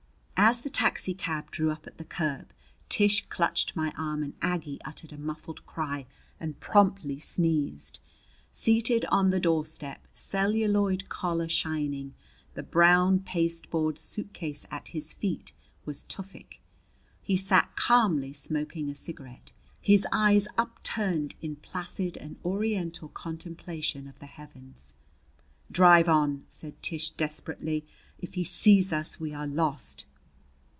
As the taxicab drew up at the curb, Tish clutched my arm and Aggie uttered a muffled cry and promptly sneezed. Seated on the doorstep, celluloid collar shining, the brown pasteboard suitcase at his feet, was Tufik. He sat calmly smoking a cigarette, his eyes upturned in placid and Oriental contemplation of the heavens. "Drive on!" said Tish desperately. "If he sees us we are lost!"